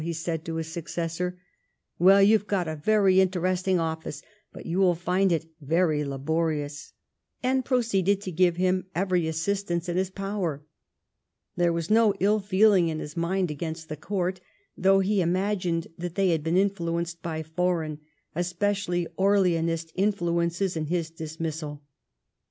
'' he said to his successor ;" Well, you have got a very in teresting office, but you will find it very laborious," and proceeded to give him every assistance in his power. There was no ill feeling in his mind against the Court, though he imagined that they had been influenced by foreign, especially Orleanist, influences in his dismissal.